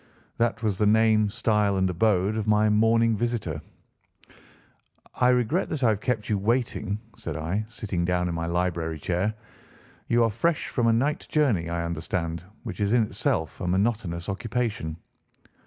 That was the name, style, and abode of my morning visitor. "I regret that I have kept you waiting," said I, sitting down in my library chair. "You are fresh from a night journey, I understand, which is in itself a monotonous occupation."